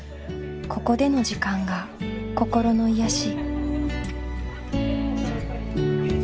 ここでの時間が心の癒やし。